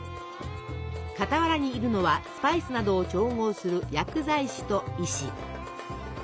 傍らにいるのはスパイスなどを調合する薬剤師と医師。